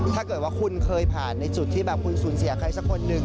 ถ้าเกิดว่าคุณเคยผ่านในจุดที่แบบคุณสูญเสียใครสักคนหนึ่ง